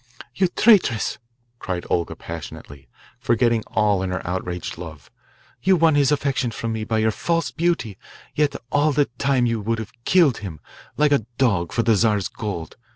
"You traitress," cried Olga passionately, forgetting all in her outraged love. "You won his affections from me by your false beauty yet all the time you would have killed him like a dog for the Czar's gold.